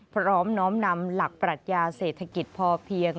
พร้อมน้อมนำหลักปรัชญาเศรษฐกิจพอเพียง